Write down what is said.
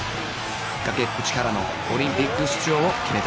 がけっぷちからのオリンピック出場を決めた